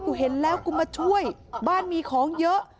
เห็นแล้วกูมาช่วยบ้านมีของเยอะ